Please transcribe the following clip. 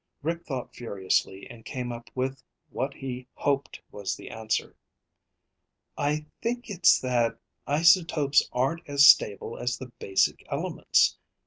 Rick thought furiously and came up with what he hoped was the answer. "I think it's that isotopes aren't as stable as the basic elements.